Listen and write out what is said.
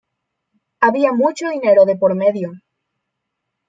Había mucho dinero de por medio.